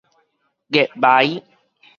月眉